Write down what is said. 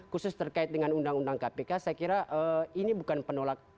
khusus terkait dengan undang undang kpk saya kira ini bukan penolak